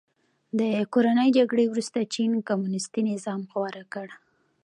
د کورنۍ جګړې وروسته چین کمونیستي نظام غوره کړ.